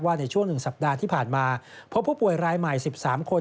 ในช่วง๑สัปดาห์ที่ผ่านมาพบผู้ป่วยรายใหม่๑๓คน